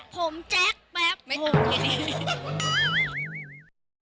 ผมแจ๊กแป๊บโอเค